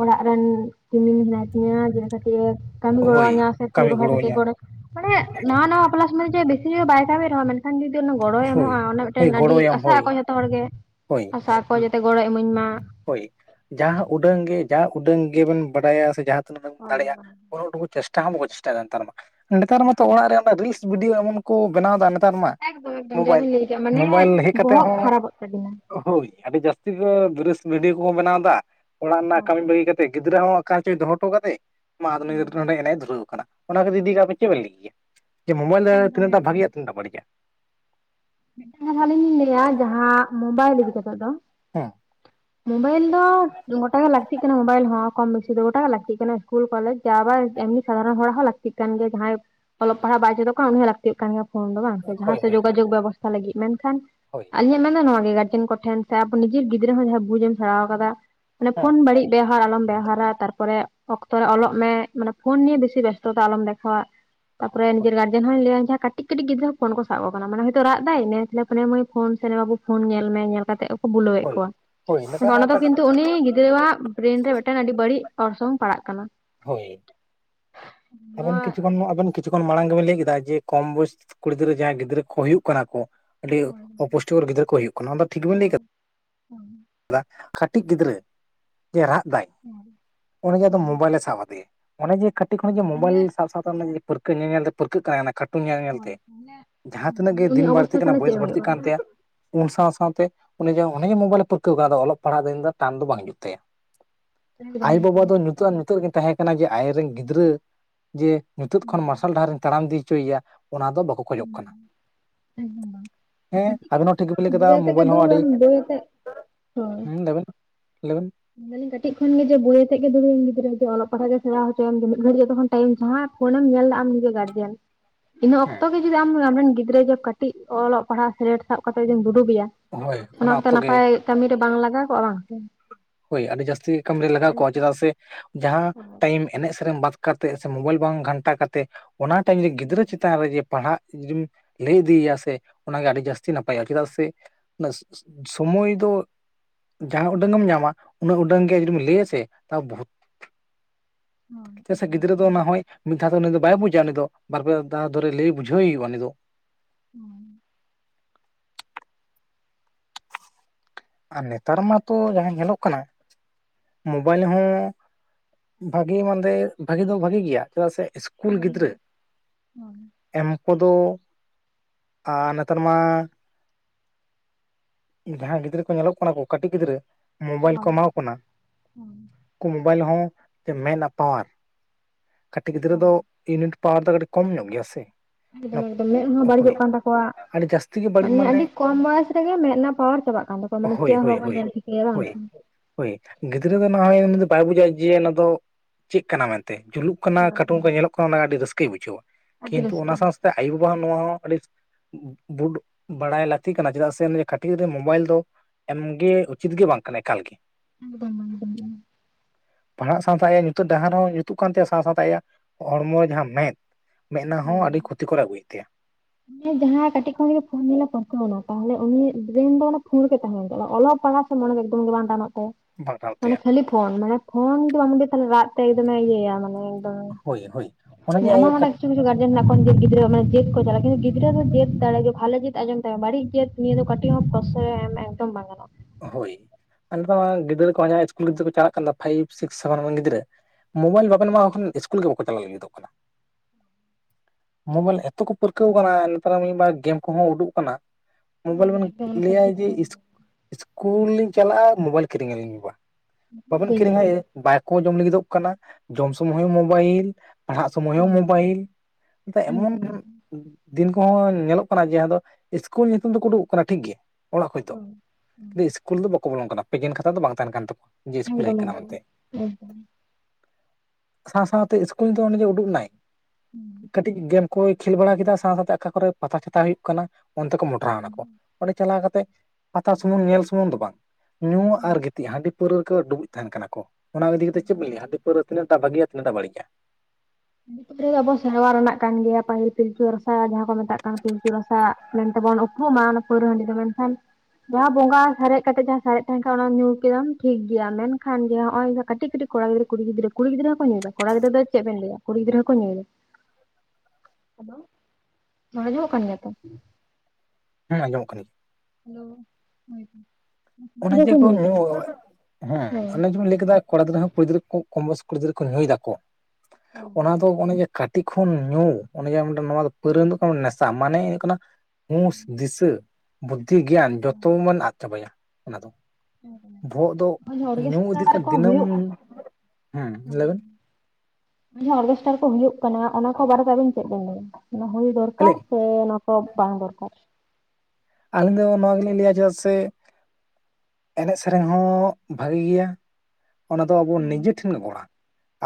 ᱚᱲᱟᱜ ᱨᱮᱱ ᱠᱤᱢᱤᱱ ᱦᱮᱱᱟᱭ ᱛᱤᱧᱟ [inaudible] ᱠᱟᱹᱢᱤ ᱦᱳᱭ ᱜᱚᱲᱚᱣᱧᱟ ᱥᱮ ᱛᱩᱫ ᱠᱟᱹᱢᱤ ᱨᱚᱦᱚᱭᱠᱟᱛᱮᱫ ᱠᱟᱴᱤᱡ ᱜᱚᱲᱚᱣᱟᱹᱧᱟᱹ ᱜᱚᱲᱚ ᱢᱟᱱᱮ ᱱᱟᱣᱟ ᱱᱟᱣᱟ ᱵᱟᱯᱞᱟ ᱥᱚᱢᱚᱭ ᱡᱮ ᱵᱮᱥᱤ ᱵᱟᱭ ᱠᱟᱢᱤ ᱨᱮᱸᱦᱚ ᱢᱟᱱᱮ ᱟᱱ ᱡᱩᱫᱤ ᱜᱚᱲᱚᱭ ᱦᱳᱭ ᱮᱢᱚᱜᱼᱟ ᱚᱱᱟ ᱢᱤᱫ ᱦᱳᱭ ᱴᱟᱝ ᱟᱹᱰᱤ ᱜᱚᱲᱚᱭᱟᱢ ᱦᱳᱭ ᱡᱚᱛᱚ ᱦᱚᱲ ᱜᱮ ᱦᱳᱭ ᱟᱥᱟ ᱟᱠᱚ ᱡᱟᱛᱮ ᱜᱚᱲᱚ ᱤᱢᱟᱹᱧ ᱢᱟ ᱦᱳᱭ ᱡᱟᱸᱦᱟ ᱩᱰᱟᱹᱝ ᱜᱮ ᱥᱮ ᱡᱟᱸ ᱦᱟᱸ ᱩᱰᱟᱹᱝ ᱜᱮᱵᱮᱱ ᱵᱟᱰᱟᱭᱟ ᱥᱮ ᱡᱟᱸᱦᱟ ᱦᱳᱭ ᱫᱟᱲᱮᱜ-ᱟ ᱦᱳᱭ ᱩᱱᱟᱹᱜ ᱴᱩᱠᱩ ᱪᱮᱥᱴᱟ ᱦᱚᱸ ᱵᱟᱠᱚ ᱪᱮᱥᱴᱟᱭ ᱫᱟ ᱱᱮᱛᱟᱨ ᱢᱟ ᱱᱮᱛᱟᱨ ᱢᱟᱛᱚ ᱚᱲᱟᱜ ᱨᱮ ᱚᱠᱟ ᱨᱤᱞᱥ ᱵᱷᱤᱰᱤᱭᱳ ᱮᱢᱚᱱ ᱠᱚ ᱵᱮᱱᱟᱣ ᱮᱫᱟ ᱱᱮᱛᱟᱨ ᱢᱟ ᱮᱠᱫᱚᱢ ᱮᱠᱫᱚᱢ ᱢᱳᱵᱟᱭᱤᱞ ᱡᱟᱵᱤᱱ ᱞᱟᱹᱭ ᱠᱮᱜᱼᱟ ᱢᱟᱱᱮ ᱢᱳᱵᱟᱭᱤᱞ ᱦᱮᱡ ᱠᱟᱛᱮᱫ ᱵᱚᱦᱚᱜ ᱦᱚᱸ ᱠᱷᱟᱨᱟᱯᱚᱜ ᱛᱟᱵᱤᱱᱟ ᱦᱳᱭ ᱟᱹᱰᱤ ᱡᱟᱹᱥᱛᱤ ᱫᱚ ᱵᱨᱮᱥ ᱵᱷᱤᱰᱭᱳ ᱠᱚ ᱵᱮᱱᱟᱣ ᱫᱟ ᱚᱲᱟᱜ ᱨᱮᱱᱟᱜ ᱦᱳᱭ ᱠᱟᱹᱢᱤ ᱵᱟᱹᱜᱤ ᱠᱟᱛᱮ ᱾ ᱜᱤᱫᱽᱨᱟᱹ ᱦᱚᱸ ᱟᱠᱟ ᱨᱮᱪᱚᱭ ᱫᱚᱦᱚᱴᱚ ᱠᱟᱫᱮ ᱢᱟ ᱟᱫᱚ ᱩᱱᱤ ᱦᱳᱭ ᱜᱤᱫᱽᱨᱟᱹ ᱱᱚᱸᱰᱮ ᱮᱱᱮᱡ ᱮ ᱫᱷᱩᱨᱟᱹᱣ ᱠᱟᱱᱟ ᱾ ᱚᱱᱟ ᱠᱚ ᱤᱫᱤ ᱫᱤᱭᱮ ᱟᱵᱮᱱ ᱪᱮᱫ ᱵᱮᱱ ᱞᱟᱹᱭ ᱜᱮᱭᱟ ᱡᱮ ᱢᱳᱵᱟᱭᱤᱞ ᱨᱮ ᱫᱚ ᱮᱠᱫᱚᱢ ᱛᱤᱱᱟᱜ ᱴᱟ ᱮᱠᱫᱚᱢ ᱵᱷᱟᱜᱤᱭᱟ ᱛᱤᱱᱟᱹᱜ ᱴᱟ ᱵᱟᱲᱤᱡᱼᱟ? ᱢᱤᱫᱴᱟᱝ ᱦᱟᱞᱤᱧ ᱞᱟᱹᱭᱼᱟ ᱡᱟᱦᱟᱸ ᱢᱳᱵᱟᱭᱤᱞ ᱤᱫᱤ ᱠᱟᱛᱮᱜ ᱫᱚ ᱦᱮᱸ ᱢᱳᱵᱟᱭᱤᱞ ᱫᱚ ᱜᱚᱴᱟ ᱜᱮ ᱞᱟᱠᱛᱤᱜ ᱠᱟᱱᱟ ᱢᱳᱵᱟᱭᱤᱞ ᱦᱚᱸ ᱾ ᱠᱚᱢ ᱵᱮᱥᱤ ᱫᱚ ᱜᱚᱴᱟ ᱜᱮ ᱞᱟᱹᱠᱛᱤᱜ ᱠᱟᱱᱟ ᱤᱥᱠᱩᱞ ᱠᱚᱞᱮᱡ ᱟᱵᱟᱨ ᱮᱢᱱᱤ ᱥᱟᱫᱷᱟᱨᱚᱱ ᱦᱚᱲ ᱦᱚᱸ ᱞᱟᱹᱠᱛᱤᱜ ᱠᱟᱱ ᱜᱮᱭᱟ ᱡᱟᱸᱦᱟᱭ ᱚᱞᱚᱜ ᱯᱟᱲᱦᱟᱜ ᱵᱟᱭ ᱪᱮᱫᱚᱜ ᱠᱟᱱᱟ ᱩᱱᱤ-ᱭᱟᱜ ᱦᱚᱸ ᱞᱟᱹᱠᱛᱤᱜ ᱠᱟᱱ ᱜᱮᱭᱟ ᱾ ᱯᱷᱳᱱ ᱫᱚ ᱵᱟᱝ ᱡᱟᱦᱟᱸ ᱦᱳᱭ ᱥᱮ ᱦᱳᱭ ᱡᱳᱜᱟᱡᱳᱜ ᱵᱮᱵᱚᱥᱛᱷᱟ ᱞᱟᱹᱜᱤᱫ ᱢᱮᱱᱠᱷᱟᱱ ᱦᱳᱭ ᱟᱹᱞᱤᱧᱟᱜ ᱢᱮᱱ ᱫᱚ ᱱᱚᱣᱟ ᱜᱮ ᱜᱟᱨᱡᱮᱱ ᱠᱚ ᱴᱷᱮᱱ ᱟᱵᱚ ᱱᱤᱡᱮᱨ ᱜᱤᱫᱽᱨᱟᱹ ᱦᱚᱸ ᱡᱟᱦᱟᱸᱭ ᱵᱩᱡ ᱮᱢ ᱥᱮᱬᱟ ᱟᱠᱟᱫᱟ ᱢᱟᱱᱮ ᱦᱮᱸ ᱯᱷᱳᱱ ᱵᱟᱹᱲᱤᱡ ᱵᱮᱣ ᱟᱨ ᱟᱞᱚᱢ ᱵᱮᱣᱦᱟᱨᱟ ᱟᱨ ᱛᱟᱨᱯᱚᱨᱮ ᱚᱠᱛᱚ ᱨᱮ ᱚᱞᱚᱜ ᱢᱮ ᱢᱟᱱᱮ ᱯᱷᱳᱱ ᱱᱤᱭᱮ ᱵᱮᱥᱤ ᱵᱮᱥᱛᱚᱛᱟ ᱟᱞᱚᱢ ᱫᱮᱠᱷᱟᱣᱟ ᱾ ᱛᱟᱯᱚᱨᱮ ᱦᱳᱭ ᱱᱤᱡᱮᱨ ᱜᱟᱨᱡᱮᱱ ᱦᱚᱸᱧ ᱞᱟᱹᱭ ᱡᱟᱦᱟᱸ ᱠᱟᱹᱴᱤᱡ ᱠᱟᱹᱴᱤᱡ ᱜᱤᱫᱽᱨᱟᱹ ᱦᱚᱸ ᱯᱷᱳᱱ ᱠᱚ ᱥᱟᱵ ᱠᱚ ᱠᱟᱱᱟ ᱢᱟᱱᱮ ᱦᱚᱭᱛᱳ ᱨᱟᱜ ᱫᱟᱭ ᱱᱮ ᱛᱟᱦᱞᱮ ᱱᱮ ᱢᱟᱹᱭ ᱯᱷᱳᱱ, ᱥᱮ ᱱᱮ ᱵᱟᱵᱩ ᱯᱷᱳᱱ ᱧᱮᱞ ᱢᱮ ᱧᱮᱞ ᱠᱟᱛᱮ ᱵᱩᱞᱟᱹᱣᱮᱫ ᱦᱳᱭ ᱠᱚᱣᱟ ᱦᱳᱭ ᱱᱮᱛᱟᱨ ᱚᱱᱟ ᱢᱟ ᱫᱚ ᱠᱤᱱᱛᱩ ᱛᱚ ᱩᱱᱤ ᱜᱤᱫᱽᱨᱟᱹᱣᱟᱜ ᱵᱨᱮᱱ ᱨᱮ ᱢᱤᱫᱴᱟᱝ ᱟᱹᱰᱤ ᱵᱟᱹᱲᱤᱡ ᱚᱨᱥᱚᱝ ᱯᱟᱲᱟᱜ ᱠᱟᱱᱟ ᱾ ᱦᱳᱭ ᱟᱵᱮᱱ ᱱᱚᱣᱟ ᱠᱤᱪᱷᱩᱜᱟᱱ ᱟᱵᱮᱱ ᱠᱤᱪᱷᱩᱠᱷᱚᱱ ᱢᱟᱲᱟᱝ ᱜᱮᱵᱮᱱ ᱞᱟᱹᱭ ᱠᱮᱫᱟ ᱡᱮ ᱠᱚᱢ ᱵᱚᱭᱮᱥ ᱠᱩᱲᱤ ᱜᱤᱫᱽᱨᱟᱹ ᱡᱟᱦᱟᱸᱭ ᱜᱤᱫᱽᱨᱟᱹ ᱠᱚ ᱦᱩᱭᱩᱜ ᱠᱟᱱᱟ ᱠᱚ ᱟᱹᱰᱤ ᱚᱼᱯᱩᱥᱴᱤᱠᱚᱨ ᱜᱤᱫᱽᱨ ᱠᱚ ᱦᱩᱭᱩᱜ ᱠᱟᱱᱟ ᱚᱱᱟ ᱴᱷᱤᱠ ᱜᱤᱵᱤᱱ ᱵᱤᱱ ᱞᱟᱹᱭ ᱠᱟᱫᱟ ᱾ [unintelligible] ᱠᱟᱹᱴᱤᱡ ᱜᱤᱫᱽᱨᱟᱹ ᱡᱮ ᱨᱟᱜ ᱫᱟᱭ [inaudible] ᱚᱱᱮ ᱡᱮ ᱟᱫᱚ ᱢᱳᱵᱟᱭᱤᱞᱮ ᱥᱟᱵ ᱟᱫᱮᱭᱟ ᱚᱱᱮ ᱡᱮ ᱠᱟᱹᱴᱤᱡ ᱠᱷᱚᱱᱟᱜ ᱡᱮ ᱢᱳᱵᱟᱭᱤᱞ ᱥᱟᱵ ᱥᱟᱵ ᱯᱟᱹᱨᱠᱟᱹ ᱧᱮᱧᱮᱞᱛᱮ ᱯᱟᱹᱨᱠᱟᱹᱜ ᱠᱟᱱᱟᱭ ᱠᱟᱨᱴᱩᱱ ᱧᱮᱞ ᱧᱮᱞᱛᱮ ᱡᱟᱸᱦᱟ ᱛᱤᱱᱟᱹᱜ ᱜᱮ ᱩᱱᱤ ᱫᱤᱱ ᱚᱵᱚᱥᱛᱟ ᱵᱟᱹᱲᱛᱤᱜ ᱠᱟᱱᱟ ᱛᱟᱦᱚᱞᱮ ᱵᱚᱭᱮᱥ ᱪᱮᱫ ᱵᱟᱹᱲᱛᱤᱜ ᱦᱩᱭᱩᱜᱼᱟ ᱠᱟᱱ ᱛᱟᱭᱟ ᱩᱱ ᱥᱟᱶ-ᱥᱟᱶᱛᱮ ᱚᱱᱮ ᱡᱮ ᱚᱱᱮ ᱢᱳᱵᱟᱭᱤᱞᱮ ᱯᱟᱹᱨ -ᱠᱟᱹᱣ ᱠᱟᱱ ᱫᱚ ᱚᱞᱚᱜ ᱯᱟᱲᱦᱟᱜ ᱫᱤᱜ ᱫᱚ ᱴᱟᱱ ᱫᱚ ᱵᱟᱝ ᱦᱤᱡᱩᱜ ᱛᱟᱭᱟ ᱮᱠᱫᱚᱢ ᱟᱭᱳ ᱵᱟᱝ ᱵᱟᱵᱟ ᱫᱚ ᱧᱩᱛᱟᱹ ᱟᱨ ᱧᱩᱛᱟᱹ ᱨᱮᱠᱤᱱ ᱛᱟᱦᱮᱸ ᱠᱟᱱᱟ ᱡᱮ ᱟᱡᱨᱮᱱ ᱜᱤᱫᱽᱨᱟᱹ ᱡᱮ ᱧᱩᱛᱟᱹᱫ ᱠᱷᱚᱱ ᱢᱟᱨᱥᱟᱞ ᱰᱟᱦᱟᱨᱤᱧ ᱛᱟᱲᱟᱢ ᱤᱫᱤ ᱦᱚᱪᱚᱭᱮᱭᱟ ᱚᱱᱟ ᱫᱚ ᱵᱟᱠᱚ ᱠᱷᱚᱡᱚᱜ ᱠᱟᱱᱟ, ᱦᱮᱸ ᱠᱟᱹᱴᱤᱡ ᱟᱵᱮᱱ ᱦᱚᱸ ᱴᱷᱤᱠ ᱜᱮ ᱵᱮᱱ ᱞᱟᱹᱭ ᱠᱷᱚᱱ ᱵᱳᱭ ᱟᱠᱟᱫᱟ ᱟᱛᱮᱜ ᱜᱮ ᱢᱳᱵᱟᱭᱤᱞ ᱦᱚᱸ ᱫᱩᱲᱩᱵ ᱟᱹᱰᱤ ᱮᱢ ᱵᱳᱭ ᱟᱛᱮᱜ ᱦᱳᱭ ᱫᱟᱵᱮᱱ [inaudible] ᱢᱮᱱᱫᱟᱹᱧ ᱠᱟᱹᱴᱤᱡ ᱠᱷᱚᱱ ᱜᱮ ᱡᱮ ᱵᱳᱭ ᱟᱛᱮᱫ ᱜᱮ ᱫᱩᱲᱩᱵᱮᱢ ᱜᱤᱫᱽᱟᱹ ᱡᱮ ᱚᱞᱚᱜ, ᱯᱟᱲᱦᱟᱜ ᱥᱮᱲᱟ ᱦᱚᱪᱚᱭᱮᱢ [inaudible] ᱴᱟᱭᱤᱢ ᱡᱟᱦᱟᱸ ᱯᱷᱳᱱᱮᱢ ᱧᱮᱞ ᱫᱟ ᱟᱢ ᱱᱤᱡᱮ ᱜᱟᱨᱡᱮᱱ ᱤᱱᱟᱹ ᱚᱠᱛᱚ ᱦᱮᱸ ᱜᱮ ᱡᱚᱫᱤ ᱟᱢᱨᱮᱱ ᱜᱤᱫᱽᱨᱟᱹ ᱠᱟᱹᱴᱤᱡ ᱚᱞᱚᱜ ᱯᱟᱲᱦᱟᱜ ᱥᱤᱞᱮᱴ ᱥᱟᱵ ᱠᱟᱛᱮ ᱡᱩᱫᱤᱢ ᱫᱩᱲᱩᱵᱮᱭᱟ ᱦᱳᱭ ᱚᱱᱟ ᱠᱟᱛᱮ ᱚᱠᱛᱚ ᱜᱮ ᱱᱟᱯᱟᱭ ᱠᱟᱹᱢᱤᱨᱮ ᱵᱟᱝ ᱞᱟᱜᱟᱣ ᱠᱚᱜᱼᱟ ᱵᱟᱝ ᱥᱮ? ᱦᱳᱭ ᱟᱹᱰᱤ ᱡᱟᱹᱥᱛᱤ ᱠᱟᱹᱢᱤ ᱨᱮ ᱞᱟᱜᱟᱣ ᱠᱚᱜ-ᱟ ᱮᱱᱠᱷᱟᱱ ᱪᱮᱫᱟᱜ ᱥᱮ ᱡᱟᱦᱟᱸ ᱦᱳᱭ ᱴᱟᱭᱤᱢ ᱮᱱᱮᱢ ᱥᱮᱨᱮᱧ ᱵᱟᱫᱽ ᱠᱟᱛᱮᱫ ᱥᱮ ᱢᱳᱵᱟᱭᱤᱞ ᱵᱟᱝ ᱜᱷᱟᱱᱴᱟ ᱠᱟᱛᱮ ᱚᱱᱟ ᱴᱟᱭᱤᱢ ᱨᱮ ᱜᱤᱫᱽᱨᱟᱹ ᱪᱮᱛᱟᱱ ᱨᱮ ᱡᱮ ᱯᱟᱲᱦᱟᱜ ᱡᱩᱫᱤᱢ ᱞᱟᱹᱭ ᱤᱫᱤᱭᱮᱭᱟ ᱥᱮ ᱚᱱᱟ ᱜᱮ ᱟᱹᱰᱤ ᱡᱟᱹᱥᱛᱤ ᱱᱟᱯᱟᱭᱚᱜᱼᱟ, ᱪᱮᱫᱟᱜ ᱥᱮ ᱥᱳᱢᱳᱭ ᱫᱚ ᱡᱟᱦᱟᱸ ᱩᱰᱟᱹᱝ ᱮᱢ ᱧᱟᱢᱟ ᱩᱱᱟᱹᱜ ᱩᱰᱟᱹᱝ ᱜᱮ ᱡᱩᱫᱤᱢ ᱞᱟᱹᱭᱟ ᱥᱮ ᱛᱟᱣ ᱵᱚᱦᱩᱛ ᱪᱮᱫᱟᱜ ᱥᱮ ᱜᱤᱫᱽᱨᱟᱹ ᱫᱚ ᱦᱳᱭ ᱱᱟ ᱦᱚᱭ ᱢᱤᱫ ᱫᱷᱟᱣ ᱫᱚ ᱩᱱᱤᱫᱚ ᱵᱟᱭ ᱵᱩᱡᱟ ᱩᱱᱤᱫᱚ ᱵᱟᱨ ᱯᱮ ᱫᱷᱟᱣ ᱫᱷᱚᱨᱮ ᱞᱟᱹᱭ ᱵᱩᱡᱷᱟᱹᱣ ᱦᱩᱭᱩᱜᱼᱟ ᱩᱱᱤᱫᱚ ᱾ [unintelligible] ᱟᱨ ᱱᱮᱛᱟᱨ ᱢᱟᱛᱚ ᱡᱟᱦᱟᱸ ᱧᱮᱞᱚᱜ ᱠᱟᱱᱟ ᱾ ᱢᱳᱵᱟᱭᱤᱞ ᱦᱚᱸᱵᱷᱟᱜᱮ ᱢᱟᱱᱫᱮ ᱵᱷᱟᱜᱮ ᱫᱚ ᱵᱷᱟᱜᱮ ᱜᱮᱭᱟ ᱪᱮᱫᱟᱜ ᱥᱮ ᱠᱩᱞ ᱦᱳᱭ ᱜᱤᱫᱽᱨᱟᱹ, ᱦᱳᱭ ᱦᱳᱭ ᱮᱢ ᱠᱚ ᱫᱚ ᱟ ᱱᱮᱛᱟᱨ ᱢᱟ ᱡᱟᱦᱟᱸ ᱜᱤᱫᱽᱨᱟᱹ ᱠᱚ ᱧᱮᱞᱚᱜ ᱠᱟᱱᱟ ᱠᱚ ᱠᱟᱹᱴᱤᱡ ᱜᱤᱫᱽᱨᱟᱹ ᱢᱳᱵᱟᱭᱤᱞ ᱦᱳᱭ ᱠᱚ ᱮᱢᱟ ᱠᱚ ᱠᱟᱱᱟ ᱦᱳᱭ ᱾ ᱠᱚ ᱢᱳᱵᱟᱭᱤᱞ ᱦᱚᱸ ᱢᱮᱫ ᱨᱮᱱᱟᱜ ᱯᱟᱣᱟᱨ ᱠᱟᱴᱤᱡ ᱜᱤᱫᱽᱨᱟᱹ ᱫᱚ ᱤᱭᱩᱱᱤᱴ ᱯᱟᱣᱟᱨ ᱫᱚ ᱠᱟᱹᱴᱤᱡ ᱠᱚᱢ ᱧᱚᱜ ᱜᱮᱭᱟ ᱥᱮ? ᱮᱠᱫᱚᱢ ᱮᱠᱫᱚᱢ, ᱢᱮᱫ ᱦᱚᱸ ᱦᱳᱭ ᱵᱟᱹᱲᱤᱡᱚᱜ ᱠᱟᱱ ᱛᱟᱠᱚᱣᱟ ᱾ ᱟᱹᱰᱤ ᱡᱟᱹᱥᱛᱤ ᱜᱮ ᱵᱟᱹᱲᱤᱡ ᱢᱟᱱᱮ ᱟᱹᱰᱤ ᱠᱚᱢ ᱵᱚᱭᱮᱥ ᱨᱮ ᱜᱮ ᱢᱮᱫ ᱨᱮᱱᱟᱜ ᱯᱟᱣᱟᱨ ᱪᱟᱵᱟᱜ ᱠᱟᱱ ᱛᱟᱠᱚᱣᱟ, ᱢᱟᱱᱮ ᱦᱳᱭ ᱪᱮᱫ ᱦᱚᱸ ᱦᱳᱭ ᱵᱟᱠᱚ ᱦᱳᱭ ᱧᱮᱞ ᱴᱷᱤᱠᱟᱹᱭᱟ ᱵᱟᱝ? ᱦᱳᱭ ᱦᱳᱭ, ᱜᱤᱫᱽᱨᱟᱹ ᱫᱚ ᱱᱟᱦᱚᱭ ᱵᱟᱭ ᱵᱩᱡᱟ ᱡᱮ ᱱᱚᱣᱟ ᱫᱚ ᱪᱮᱫ ᱠᱟᱱᱟ ᱢᱮᱱ ᱛᱮ, ᱡᱩᱞᱩᱜ ᱠᱟᱱᱟ ᱠᱟᱴᱩᱱ ᱠᱚ ᱧᱮᱞᱚᱜ ᱠᱟᱱᱟ ᱚᱱᱟ ᱟᱹᱰᱤ ᱨᱟᱹᱥᱠᱟᱹᱭ ᱵᱩᱡᱷᱟᱹᱣᱟ ᱟᱹᱰᱤ ᱠᱤᱱᱛᱩ ᱚᱱᱟ ᱨᱟᱹᱥᱠᱟᱹ ᱥᱟᱶ ᱥᱟᱶ ᱛᱮ ᱟᱭᱳ ᱵᱟᱵᱟ ᱦᱚᱸ ᱱᱚᱣᱟ ᱦᱚᱸ ᱟᱹᱰᱤ, ᱵᱩᱴ ᱵᱟᱲᱟᱭ ᱞᱟᱹᱠᱛᱤ ᱠᱟᱱᱟ ᱪᱮᱫᱟᱜ ᱥᱮ ᱩᱱᱤ ᱛᱤᱨᱮ ᱢᱳᱵᱟᱭᱤᱞ ᱫᱚ ᱮᱢ ᱜᱮ ᱩᱪᱤᱛ ᱜᱮ ᱵᱟᱝ ᱠᱟᱱᱟ ᱮᱠᱟᱞ ᱜᱮ ᱾ [inaudible] ᱯᱟᱲᱦᱟᱜ ᱥᱟᱶᱛᱟ ᱟᱭᱟᱜ ᱧᱩᱛᱟᱹᱛ ᱰᱟᱦᱟᱨ ᱦᱚᱸ ᱧᱩᱛᱩᱜ ᱠᱟᱱ ᱛᱟᱭᱟ ᱥᱟᱶ ᱥᱟᱶᱛᱮ ᱟᱭᱟᱜ, ᱦᱚᱲᱢᱚ ᱡᱟᱦᱟᱸ ᱢᱮᱫ ᱢᱮᱫ ᱱᱟᱦᱚᱸ ᱟᱹᱰᱤ ᱠᱷᱚᱛᱤ ᱠᱚᱨ ᱟᱹᱜᱩᱭᱮᱫ ᱛᱟᱭᱟ᱾ ᱟᱱᱮ ᱡᱟᱦᱟᱸᱭ ᱠᱟᱹᱴᱤᱡ ᱠᱷᱚᱱ ᱜᱮ ᱯᱷᱳᱱ ᱧᱮᱞᱮ ᱯᱟᱹᱨᱠᱟᱹᱣ ᱮᱱᱟ ᱛᱟᱦᱚᱞᱮ ᱩᱱᱤ ᱵᱨᱮᱱ ᱫᱚ ᱚᱱᱟ ᱯᱷᱳᱱ ᱜᱮ ᱛᱟᱦᱮᱸᱱ ᱛᱟᱭᱟ, ᱚᱞᱚᱜ ᱯᱟᱲᱦᱟᱜ ᱢᱚᱱᱮ ᱮᱠᱫᱚᱢ ᱜᱮ ᱵᱟᱝ ᱴᱟᱱᱚᱜ ᱛᱟᱭᱟ ᱵᱟᱝ ᱾ ᱢᱟᱱᱮ ᱛᱟᱭᱟ ᱠᱷᱟᱹᱞᱤ ᱯᱷᱳᱱ ᱢᱟᱱᱮ ᱯᱷᱳᱱ ᱡᱩᱫᱤ ᱵᱟᱢ [unintelligible] ᱛᱟᱦᱞᱮ ᱨᱟᱜ ᱛᱮ ᱮᱠᱫᱟᱢᱮ ᱤᱭᱟᱹᱭᱟ ᱢᱟᱱᱮ ᱦᱳᱭ ᱦᱳᱭ ᱚᱱᱮ ᱢᱟᱱᱮ ᱡᱮ ᱮᱢᱚᱱ ᱟᱭᱳ ᱠᱟᱹᱴᱤᱡ ᱢᱟᱱᱮ ᱠᱤᱪᱷᱩ ᱠᱤᱪᱷᱩ ᱜᱟᱨᱡᱮᱱ ᱢᱮᱱᱟᱜ ᱠᱚᱣᱟ ᱡᱩᱫᱤ ᱜᱤᱫᱽᱨᱟᱹ [inaudible] ᱜᱤᱫᱽᱨᱟᱹ ᱫᱚ ᱡᱮᱛ ᱫᱟᱲᱮᱭᱟᱜᱮ ᱵᱷᱟᱞᱮ ᱡᱮᱛ ᱟᱸᱡᱚᱢ ᱛᱟᱭᱟᱢ ᱵᱟᱹᱲᱤᱡ ᱡᱮᱛ ᱱᱤᱭᱟᱹ ᱫᱚ ᱠᱟᱹᱴᱤᱡ ᱦᱚᱸ ᱯᱨᱚᱥᱚᱭ ᱮᱢ ᱮᱠᱫᱚᱢ ᱵᱟᱝ ᱜᱟᱱᱚᱜᱼᱟ᱾ ᱦᱳᱭ, ᱟᱨ ᱱᱤᱛᱚᱜ ᱜᱤᱫᱽᱨᱟᱹ ᱠᱚ ᱡᱟᱦᱟᱸ ᱤᱥᱠᱩᱞ ᱜᱤᱫᱽᱨᱟᱹ ᱠᱚ ᱪᱟᱞᱟᱜ ᱠᱟᱱᱟ ᱯᱷᱟᱭᱤᱵ, ᱥᱤᱠᱥ, ᱥᱮᱵᱷᱮᱱ ᱨᱮᱱ ᱜᱤᱫᱽᱨᱟᱹ, ᱢᱳᱵᱟᱭᱤᱞ ᱵᱟᱵᱮᱱ ᱮᱢᱟ ᱠᱚ ᱠᱷᱚᱱ ᱤᱥᱠᱩᱞ ᱜᱮ ᱵᱟᱠᱚ ᱪᱟᱞᱟ ᱞᱟᱜᱤᱫᱚᱜ [unintelligible] ᱢᱳᱵᱟᱭᱤᱞ ᱮᱛᱚ ᱠᱚ ᱯᱟᱹᱨᱠᱟᱹᱣ ᱠᱟᱱᱟ ᱱᱮᱛᱟᱨ ᱢᱟ ᱢᱤᱫᱵᱟᱨ ᱜᱮᱢ ᱠᱚ ᱦᱚᱸ ᱩᱰᱩᱠ ᱠᱟᱱᱟ᱾ ᱦᱳᱭ ᱢᱳᱵᱟᱭᱤᱞ ᱦᱳᱭ ᱮᱠᱫᱚᱢ ᱚᱱᱟ [inaudible] ᱥᱟᱹᱨᱤ ᱞᱟᱹᱭᱟ ᱠᱟᱛᱷᱟ ᱡᱮ ᱵᱮᱱ ᱤᱥ ᱞᱟᱹᱭ ᱤᱥᱠᱩᱞ ᱞᱤᱧ ᱪᱟᱞᱟᱜᱼᱟ ᱢᱳᱵᱟᱭᱤᱞ ᱠᱤᱨᱤᱧ ᱟᱹᱞᱤᱧ ᱢᱮ ᱵᱟ, ᱵᱟᱵᱮᱱ ᱵᱟᱹᱧ ᱠᱤᱨᱤᱧᱟᱭ ᱪᱟᱞᱟᱜᱼᱟ ᱵᱟᱠᱚ ᱡᱚᱢ ᱞᱟᱹᱜᱤᱫᱚᱜ ᱠᱟᱱᱟ, ᱡᱚᱢ ᱥᱳᱢᱳᱭ ᱦᱚᱸ ᱢᱳᱵᱟᱭᱤᱞ, ᱯᱟᱲᱦᱟᱜ ᱥᱳᱢᱳᱭ ᱦᱚᱸ ᱦᱳᱭ ᱢᱳᱵᱟᱭᱤᱞ, ᱱᱮᱛᱟ ᱮᱠᱫᱚᱢ ᱮᱢᱚᱱ ᱮᱠᱫᱚᱢ ᱦᱳᱭ ᱫᱤᱱ ᱠᱚ ᱦᱚᱸ ᱧᱮᱞᱚᱜ ᱠᱟᱱᱟ ᱡᱟᱦᱟᱸ ᱡᱮ, ᱤᱥᱠᱩᱞ ᱧᱩᱛᱩᱢ ᱫᱚ ᱠᱚ ᱩᱰᱩᱠ ᱟᱠᱟᱱᱟ ᱴᱷᱤᱠ ᱜᱮ, ᱚᱲᱟᱜ ᱠᱷᱚᱡ ᱫᱤᱭᱮ ᱤᱥᱠᱩᱞ ᱫᱚ ᱵᱟᱠᱚ ᱵᱚᱞᱚᱱ ᱠᱟᱱᱟ, ᱯᱮᱜᱮᱱ ᱠᱟᱛᱷᱟ ᱫᱚ ᱵᱟᱝ ᱛᱟᱦᱮᱸᱱ ᱠᱟᱱ ᱛᱟᱠᱚᱣᱟ ᱾ ᱡᱮ ᱤᱥᱠᱩᱞ ᱮᱠᱫᱚᱢ ᱦᱮᱡ ᱮᱠᱫᱚᱢ ᱠᱟᱱᱟ ᱮᱠᱫᱚᱢ ᱢᱮᱱᱛᱮ ᱾ ᱥᱟᱶ ᱥᱟᱶᱛᱮ ᱩᱥᱠᱩᱞ ᱫᱚ ᱚᱱᱮ ᱡᱮ ᱩᱰᱩᱠ ᱱᱟᱭ, ᱠᱟᱹ ᱴᱤᱡ ᱜᱮᱢ ᱠᱚᱭ ᱠᱷᱮᱞ ᱵᱟᱲᱟ ᱠᱮᱫᱟ ᱥᱟᱶ ᱥᱟᱶᱛᱮ ᱟᱠᱟ ᱠᱚᱨᱮ ᱯᱟᱛᱟ ᱪᱷᱟᱛᱟ ᱦᱩᱭᱩᱜ ᱠᱟᱱᱟ, ᱚᱱᱛᱮ ᱠᱚ ᱢᱚᱰᱨᱟᱣ ᱦᱳᱭ ᱱᱟ ᱠᱚ᱾ ᱚᱸᱰᱮ ᱪᱟᱞᱟᱣ ᱠᱟᱛᱮᱜ ᱯᱟᱛᱟ ᱥᱩᱢᱩᱝ ᱧᱮᱞ ᱥᱩᱢᱩᱝ ᱫᱚ ᱵᱟᱝ, ᱧᱩ ᱟᱨ ᱦᱳᱭ ᱜᱤᱛᱤᱡ ᱦᱟᱺᱰᱤ ᱯᱟᱹᱨᱩᱣᱟᱹ ᱠᱟᱹ ᱰᱩᱵᱩᱡᱬ ᱛᱟᱦᱮᱸᱱ ᱠᱟᱱᱟ ᱠᱚ, ᱚᱱᱟ ᱤᱫᱤ ᱠᱟᱛᱮ ᱮᱠᱫᱚᱢ ᱪᱮᱫ ᱵᱤᱱ ᱞᱟᱹᱭᱟ ᱦᱟᱺᱰᱤ ᱯᱟᱹᱣᱨᱟᱹ ᱛᱤᱱᱟᱹᱜ ᱴᱟᱜ ᱵᱷᱟᱹᱜᱮᱭᱟ ᱛᱤᱱᱟᱹᱜ ᱴᱟᱜ ᱵᱟᱹᱲᱤᱡᱟ? ᱦᱟᱺᱰᱤ ᱯᱟᱹᱣᱨᱟᱹ ᱟᱵᱚ ᱥᱮᱨᱣᱟ ᱨᱮᱱᱟᱜ ᱠᱟᱱ ᱜᱮᱭᱟ ᱯᱟᱹᱦᱤᱞ ᱯᱤᱞᱪᱩ ᱨᱟᱥᱟ ᱡᱟᱦᱟᱸ ᱠᱚ ᱢᱮᱛᱟᱜ ᱠᱟᱱ ᱯᱤᱞᱪᱩ ᱨᱟᱥᱟ ᱢᱮᱱᱛᱮ ᱵᱚᱱ ᱩᱯᱨᱩᱢᱟ ᱚᱱᱟ ᱯᱟᱹᱣᱨᱟᱹ ᱦᱟᱺᱰᱤ ᱫᱚ ᱢᱮᱱᱠᱷᱟᱱ ᱡᱟᱦᱟᱸ ᱵᱚᱸᱜᱟ ᱥᱟᱨᱮᱡ ᱠᱟᱛᱮᱜ ᱡᱟᱦᱟᱸ ᱥᱟᱨᱮᱡ ᱛᱟᱦᱮᱸᱱ ᱠᱷᱟᱱ ᱚᱱᱟ ᱧᱩ ᱠᱮᱫᱟᱢ ᱴᱷᱤᱠ ᱜᱮᱭᱟ, ᱢᱮᱱᱠᱷᱟᱱ ᱡᱮ ᱦᱚᱸᱜ-ᱚᱭ ᱠᱟᱹᱴᱤᱡ ᱠᱟᱹᱴᱤᱡ ᱠᱚᱲᱟ ᱜᱤᱫᱽᱨᱟᱹ ᱠᱩᱲᱤ ᱜᱤᱫᱽᱨᱟᱹ, ᱠᱩᱲᱤ ᱜᱤᱫᱽᱨᱟᱹ ᱦᱚᱸ ᱠᱚ ᱧᱩᱭᱮᱫᱟ ᱠᱚᱲᱟ ᱜᱤᱫᱟᱹᱨ ᱫᱚ ᱪᱮᱫ ᱵᱮᱱ ᱞᱟᱹᱭᱟ᱾ ᱠᱩᱲᱤ ᱜᱤᱫᱽᱨᱟᱹ ᱦᱚᱸ ᱠᱚ ᱧᱮᱞᱟᱭᱮᱫᱟ, ᱦᱮᱞᱳᱣ, ᱨᱚᱲ ᱟᱸᱡᱚᱢᱚᱜ ᱠᱟᱱ ᱜᱮᱭᱟ ᱛᱚ? ᱦᱮᱸ ᱟᱸᱡᱚᱢᱚᱜ ᱠᱟᱱᱟ᱾ ᱦᱮᱞᱳᱣᱦᱳᱭᱛᱚ ᱠᱩᱲᱤ ᱚᱱᱮ ᱜᱤᱫᱽᱨᱟᱹ ᱦᱚᱸᱠᱚ ᱡᱮᱠᱚ ᱧᱩᱭᱫᱟ᱾ ᱧᱩ ᱦᱮᱸ, ᱚᱱᱟ ᱡᱮᱢᱚᱱ ᱞᱟᱹᱭ ᱠᱮᱫᱟ ᱠᱚᱲᱟ ᱜᱤᱫᱽᱨᱟᱹ ᱦᱚᱸ ᱠᱩᱲᱤ ᱜᱤᱫᱽᱨᱟᱹ ᱠᱚ ᱠᱚᱢ ᱵᱚᱭᱚᱥ ᱠᱩᱲᱤ ᱜᱤᱫᱽᱨᱟᱹ ᱠᱚ ᱧᱩᱭ ᱫᱟᱠᱚ, ᱚᱱᱟ ᱫᱚ ᱚᱱᱮ ᱡᱮ ᱠᱟᱹᱴᱤᱡ ᱠᱷᱚᱱ ᱧᱩ, ᱚᱱᱮ ᱡᱮ ᱱᱚᱣᱟ ᱫᱚ ᱯᱟᱹᱣᱨᱟᱹ ᱨᱮᱱᱟᱜ ᱱᱮᱥᱟ, ᱢᱟᱱᱮ ᱦᱩᱭᱩᱜ ᱠᱟᱱᱟ, ᱦᱩᱥ, ᱫᱤᱥᱟᱹ, ᱵᱩᱫᱽᱫᱷᱤ, ᱜᱮᱭᱟᱱ ᱡᱷᱚᱛᱚ ᱵᱚᱱ ᱟᱫ ᱪᱟᱵᱟᱭᱟ ᱚᱱᱟ ᱫᱚ᱾ ᱵᱚᱦᱚᱜ ᱫᱚ, ᱦᱳᱭ ᱱᱚᱜᱼᱚᱭ ᱡᱟᱦᱟᱸ ᱧᱩ ᱤᱫᱤ ᱚᱨᱜᱮᱥᱴᱟᱨ ᱞᱮᱠᱷᱟᱱ ᱠᱚ ᱫᱤᱱᱟᱹᱢ, ᱦᱩᱭᱩᱜ ᱦᱮᱸ ᱞᱟᱹᱭᱵᱮᱱ? ᱡᱟᱦᱟᱸ ᱚᱨᱠᱮᱥᱴᱟᱨ ᱠᱚ ᱦᱩᱭᱩᱜ ᱠᱟᱱᱟ, ᱚᱱᱟ ᱠᱚ ᱵᱟᱨᱮᱛᱮ ᱟᱹᱵᱤᱱ ᱪᱮᱫ ᱵᱮᱱ ᱞᱟᱹᱭᱟ? ᱚᱱᱟ ᱦᱩᱭ ᱫᱚᱨᱠᱟᱨ ᱟᱹᱞᱤᱧ ᱥᱮ ᱚᱱᱟ ᱠᱚ ᱵᱟᱝ ᱫᱚᱨᱠᱟᱨ? ᱟᱹᱞᱤᱧ ᱫᱚ ᱱᱚᱣᱟ ᱜᱮᱞᱤᱧ ᱞᱟᱹᱭᱟ ᱪᱮᱫᱟᱜ ᱥᱮ, ᱮᱱᱮᱡ ᱥᱮᱨᱮᱧ ᱦᱚᱸ ᱵᱷᱟᱜᱮ ᱜᱮᱭᱟ, ᱚᱱᱟ ᱫᱚ ᱟᱵᱚ ᱱᱤᱡᱮ ᱴᱷᱮᱱ ᱜᱚᱲᱟ,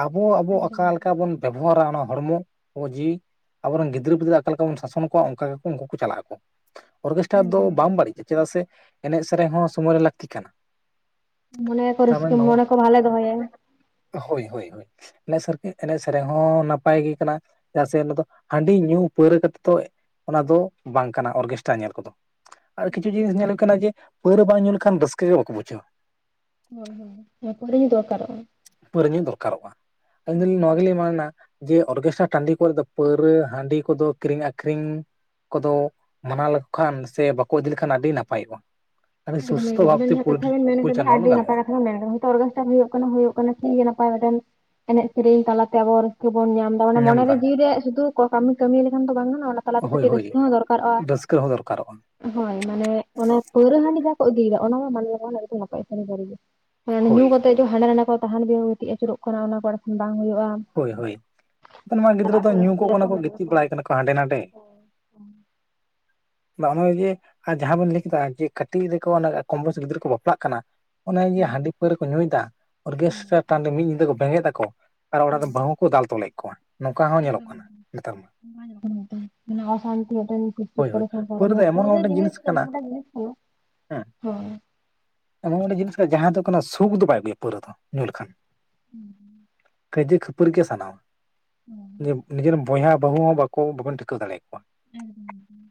ᱟᱵᱚ ᱟᱵᱚ ᱮᱠᱫᱚᱢ ᱚᱠᱟ ᱞᱮᱠᱟ ᱵᱚᱱ ᱵᱮᱵᱚᱦᱟᱨᱟ ᱚᱱᱟ ᱦᱚᱲᱢᱚ, ᱠᱚ ᱡᱤᱣᱤ ᱟᱵᱚ ᱨᱮᱱ ᱜᱤᱫᱽᱨᱟᱹ ᱯᱤᱫᱽᱟᱹ ᱚᱠᱟ ᱞᱮᱠᱟ ᱵᱚᱱ ᱥᱟᱥᱚᱱ ᱠᱚᱣᱟ ᱚᱱᱠᱟ ᱜᱮᱠᱚ ᱩᱱᱠᱩ ᱠᱚ ᱪᱟᱞᱟᱜ ᱟᱠᱚ᱾ ᱚᱨᱠᱮᱥᱴᱟᱨ ᱫᱚ ᱮᱠᱫᱚᱢ ᱵᱟᱝ ᱮᱠᱫᱚᱢ ᱵᱟᱹᱲᱤᱡᱼᱟ ᱪᱮᱫᱟᱜ ᱥᱮ, ᱮᱱᱮᱡ ᱥᱮᱨᱮᱧ ᱦᱚᱸ ᱥᱚᱢᱚᱭ ᱨᱮ ᱞᱟᱹᱠᱛᱤ ᱠᱟᱱᱟ᱾ ᱢᱚᱱᱮ ᱠᱚ ᱨᱟᱹᱥᱠᱟᱹ ᱛᱟᱨᱢᱟᱱᱮ ᱱᱚᱣᱟ ᱢᱚᱱᱮ ᱠᱚ ᱵᱷᱟᱞᱮ ᱫᱚᱦᱚᱭᱟᱭ᱾ ᱦᱳᱭ ᱦᱳᱭ ᱦᱳᱭ ᱮᱱᱮᱥᱟᱨ ᱠᱤ ᱮᱱᱮᱡ ᱥᱮᱨᱮᱧ ᱦᱚᱸ ᱱᱟᱯᱟᱭ ᱜᱮ ᱠᱟᱱᱟ᱾ ᱪᱮᱫᱟᱜ ᱥᱮ ᱚᱱᱟ ᱫᱚ ᱦᱟᱺᱰᱤ ᱧᱩ ᱯᱟᱹᱣᱨᱟᱹ ᱠᱟᱛᱮ ᱫᱚ ᱚᱱᱟ ᱫᱚ ᱵᱟᱝ ᱠᱟᱱᱟ ᱚᱨᱜᱮᱥ ᱴᱟ ᱧᱮᱞ ᱠᱚᱫᱚ ᱟᱨ ᱠᱤᱪᱷᱩ ᱡᱤᱱᱤᱥ ᱧᱮᱞᱚᱠ ᱠᱟᱱᱟ ᱡᱮ ᱯᱟᱹᱣᱨᱟᱹ ᱵᱟᱝ ᱧᱩ ᱞᱮᱠᱷᱟᱱ ᱨᱟᱹᱥᱠᱟᱹ ᱜᱮ ᱵᱟᱠᱚ ᱵᱩᱡᱷᱟᱹᱣᱟ᱾ ᱦᱳᱭ ᱦᱳᱭ ᱦᱳᱭ ᱢᱟᱱᱮ ᱯᱟᱹᱣᱨᱟᱹ ᱧᱩ ᱫᱚᱨᱠᱟᱨᱚᱜᱼᱟ᱾ ᱯᱟᱹᱣᱨᱟᱹ ᱧᱩᱜ ᱫᱚᱨᱠᱟᱨᱚᱜᱼᱟ ᱟᱹᱞᱤᱧ ᱫᱚᱞᱤᱧ ᱱᱚᱣᱟ ᱜᱮᱞᱤᱧ ᱢᱮᱱᱟ ᱡᱮ ᱚᱨᱜᱮᱥᱴᱨᱟ ᱴᱟᱺᱰᱤ ᱠᱚᱨᱮ ᱫᱚ ᱯᱟᱹᱣᱨᱟᱹ ᱦᱟᱺᱰᱤ ᱠᱚᱫᱚ ᱠᱤᱨᱤᱧ ᱟᱠᱷᱨᱤᱧ ᱠᱚᱫᱚ ᱢᱟᱱᱟ ᱞᱮᱠᱚ ᱠᱷᱟᱱ ᱥᱮ ᱵᱟᱠᱚ ᱤᱫᱤ ᱞᱮᱠᱷᱟᱱ ᱟᱹᱰᱤ ᱱᱟᱯᱟᱭᱚᱜᱼᱟ᱾ [unintelligible] ᱟᱹᱰᱤ ᱥᱩᱥᱛᱷᱚ ᱟᱵᱤᱱ ᱵᱷᱟᱵᱛᱮ ᱡᱟᱦᱟᱸ ᱠᱟᱛᱷᱟ ᱵᱤᱱ ᱢᱮᱱ ᱠᱟᱫᱟ ᱯᱚᱨᱤᱪᱟᱞᱚᱱᱟ ᱟᱹᱰᱤ ᱱᱟᱯᱟᱭ ᱜᱟᱱᱚᱜᱼᱟ ᱠᱟᱛᱷᱟ ᱵᱤᱱ ᱢᱮᱱ ᱠᱟᱫᱟ᱾ ᱱᱮᱛᱟᱨ ᱚᱨᱜᱮᱥᱴᱟᱨ ᱦᱳᱭᱳᱜ ᱠᱟᱱᱟ ᱦᱩᱭᱩᱜ ᱠᱟᱱᱟ ᱴᱷᱤᱠ ᱜᱮᱭᱟ ᱱᱟᱯᱟᱭ ᱵᱟᱰᱟ ᱜᱮ ᱮᱱᱮᱡ ᱥᱮᱨᱮᱧ ᱛᱟᱞᱟ ᱛᱮ ᱟᱵᱚ ᱨᱟᱹᱥᱠᱟᱹ ᱵᱚᱱ ᱧᱟᱢ ᱢᱟᱱᱮ ᱢᱚᱱᱮᱨᱮ ᱧᱟᱢᱫᱟ ᱡᱤᱣᱤ ᱨᱮ ᱥᱩᱫᱩ ᱠᱚ ᱠᱟᱹᱢᱤ ᱠᱟᱹᱢᱤ ᱞᱮᱠᱷᱟᱱ ᱫᱚ ᱵᱟᱝ ᱜᱟᱱᱚᱜ-ᱟ ᱚᱱᱟ ᱛᱟᱞᱟᱛᱮ ᱦᱳᱭ ᱠᱟᱹᱴᱤᱡ ᱦᱳᱭ ᱨᱟᱹᱥᱠᱟᱹ ᱦᱚᱸ ᱫᱚᱨᱠᱟᱨᱚᱜᱼᱟ᱾ ᱨᱟᱹᱥᱠᱟᱹ ᱦᱚᱸ ᱫᱚᱨᱠᱟᱨᱚᱜᱼᱟ ᱦᱳᱭ ᱢᱟᱱᱮ ᱚᱱᱟ ᱯᱟᱹᱣᱨᱟᱹ ᱦᱟᱺᱰᱤ ᱡᱟ ᱠᱚ ᱤᱫᱤᱭᱮᱫᱟ ᱚᱱᱟ ᱢᱟ [unintelligible] ᱥᱟᱨᱤ ᱜᱮ᱾ ᱚᱱᱮ ᱧᱩ ᱦᱳᱭ ᱠᱟᱛᱮᱫ ᱡᱮ ᱦᱟᱸᱰᱮ ᱱᱟᱸᱰᱮ ᱠᱚ ᱛᱟᱦᱟᱸᱲ ᱵᱤᱦᱟᱹ ᱠᱚ ᱜᱤᱛᱤᱡ ᱟᱹᱪᱩᱨᱚᱜ ᱠᱟᱱᱟ ᱚᱱᱟ ᱠᱚ ᱟᱨ ᱵᱟᱠᱷᱟᱱ ᱵᱟᱝ ᱦᱩᱭᱩᱜᱼᱟ᱾ ᱦᱳᱭ ᱦᱳᱭ ᱚᱱᱟ ᱜᱤᱫᱽᱨᱟᱹ ᱪᱟᱞᱟᱜ ᱫᱚ ᱟᱠᱚ ᱧᱩ ᱠᱚ ᱠᱟᱱᱟ ᱨᱟᱹᱥᱠᱟᱹᱭᱟᱠᱚ ᱠᱚ ᱜᱤᱛᱤᱡ ᱵᱟᱲᱟᱭ ᱠᱟᱱᱟ ᱠᱚ ᱦᱟᱸᱰᱮ ᱱᱟᱰᱮ᱾ ᱦᱩᱸ᱾ ᱵᱟᱝ ᱱᱚᱸᱜᱼᱚᱭ ᱡᱮ ᱟᱨ ᱡᱟᱦᱟᱸ ᱵᱮᱱ ᱞᱟᱹᱭ ᱠᱮᱫᱟ ᱡᱮ ᱠᱟᱹᱴᱤᱡᱽ ᱨᱮᱠᱚ ᱠᱚᱢᱵᱚᱭᱚᱥ ᱜᱤᱫᱽᱨᱟᱹ ᱠᱚ ᱵᱟᱯᱞᱟᱜ ᱠᱟᱱᱟ ᱚᱱᱮ ᱤᱭᱟᱹ ᱦᱳᱭ ᱦᱟᱺᱰᱤ ᱯᱟᱹᱣᱨᱟᱹ ᱠᱚ ᱧᱩᱭᱮᱫᱟ ᱦᱳᱭ ᱚᱨᱜᱮᱥᱴᱟᱨ ᱴᱟᱹᱰᱤ ᱢᱤᱫ ᱧᱤᱫᱟᱹ ᱠᱚ ᱵᱮᱸᱜᱮ ᱫᱟᱠᱚ ᱟᱨ ᱚᱲᱟᱜ ᱨᱮ ᱦᱳᱭ ᱵᱟᱦᱩ ᱠᱚ ᱫᱟᱞ ᱛᱚᱞᱮᱜ ᱠᱚᱣᱟ, ᱱᱚᱝᱠᱟ ᱦᱚᱸ ᱧᱮᱞᱚᱜ ᱮᱠᱫᱚᱢ ᱮᱠᱫᱚᱢ ᱠᱟᱱᱟ ᱱᱮᱛᱟᱨ᱾ ᱢᱟ [unintelligible] ᱢᱟᱱᱮ ᱚᱥᱟᱱᱛᱤ ᱢᱤᱫᱴᱟᱱ ᱦᱳᱭ ᱦᱳᱭ ᱫᱚ [unintelligible] ᱮᱢᱚᱱ ᱯᱟᱹᱣᱨᱟᱹ ᱢᱤᱫᱴᱮᱱ ᱡᱤᱱᱤᱥ ᱜᱮ ᱠᱟᱱᱟ ᱮᱢᱚᱱ ᱢᱤᱫᱴᱟᱝ ᱡᱤᱱᱤᱥ ᱩᱸ ᱦᱮᱸ᱾ ᱮᱢᱚᱱ ᱢᱤᱫᱴᱟᱝ ᱡᱤᱱᱤᱥ ᱠᱟᱱᱟ ᱡᱟᱦᱟᱸ ᱫᱚ ᱠᱟᱱᱟ ᱥᱩᱠ ᱫᱚ ᱵᱟᱭ ᱟᱜᱩᱭᱟ ᱯᱟᱹᱣᱨᱟᱹ ᱧᱩ ᱞᱮᱠᱷᱟᱱ᱾ ᱦᱩᱸ᱾ ᱠᱟᱹᱭᱡᱟᱹ ᱠᱷᱟᱹᱯᱟᱹᱨᱤ ᱜᱮ ᱜᱮ ᱥᱟᱱᱟᱣᱟ ᱦᱩᱸ ᱱᱤᱡᱮ ᱱᱤᱡᱮᱨᱮᱱ ᱵᱚᱭᱦᱟ ᱵᱟᱹᱦᱩ ᱦᱚᱸ ᱵᱟᱵᱚᱱ ᱴᱷᱤᱠᱟᱹᱣ ᱫᱟᱲᱮᱣ ᱠᱚᱣᱟ᱾ ᱮᱠᱫᱚᱢ ᱮᱠᱫᱚᱢ᱾